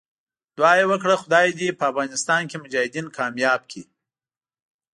دعا یې وکړه خدای دې په افغانستان کې مجاهدین کامیاب کړي.